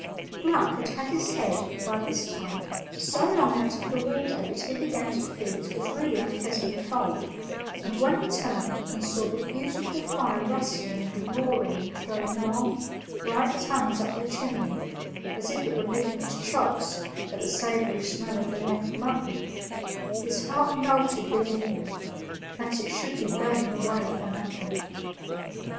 Gluck had had his head, by this time, so long out of the window that he began to feel it was really unpleasantly cold, and when he turned and saw the beautiful fire rustling and roaring and throwing long, bright tongues up the chimney, as if it were licking its chops at the savory smell of the leg of mutton, his heart melted within him that it should be burning away for nothing.